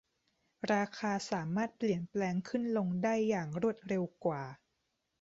ราคาสามารถเปลี่ยนแปลงขึ้นลงได้อย่างรวดเร็วกว่า